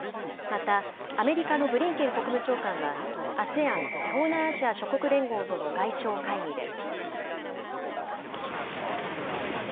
また、アメリカのブリンケン国務長官は、ＡＳＥＡＮ・東南アジア諸国連合との外相会議で。